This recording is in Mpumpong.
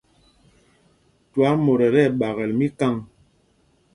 Twaamot ɛ tí ɛɓakɛl míkâŋ.